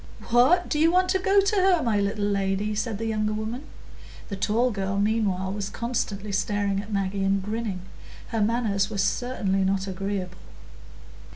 "What! do you want to go to her, my little lady?" said the younger woman. The tall girl meanwhile was constantly staring at Maggie and grinning. Her manners were certainly not agreeable.